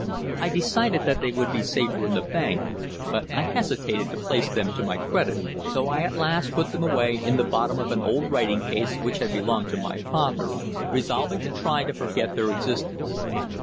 I decided that they would be safer in the bank, but I hesitated to place them to my credit, so I at last put them away in the bottom of an old writing case which had belonged to my father, resolving to try to forget their existence.